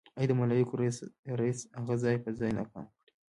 ای د ملايکو ريسه اغه ځای په ځای ناکامه کړې.